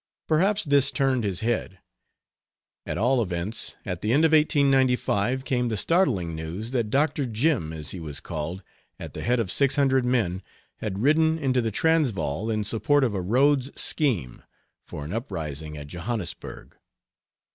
Perhaps this turned his head; at all events at the end of 1895 came the startling news that "Dr. Jim," as he was called, at the head of six hundred men, had ridden into the Transvaal in support of a Rhodes scheme for an uprising at Johannesburg.